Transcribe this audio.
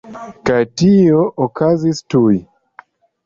Kaj tio okazis tuj.